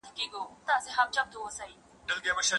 سلیمان علیه السلام د ځمکې پر مخ تر ټولو عادل پاچا و.